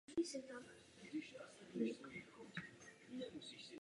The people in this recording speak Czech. Rovněž dohlížel na zvuk při vůbec poslední nahrávací frekvenci zpěváka Hanka Williamse.